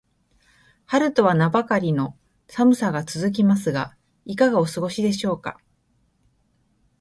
春とは名ばかりの寒さが続きますが、いかがお過ごしでしょうか。